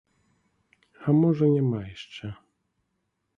А можа, няма яшчэ.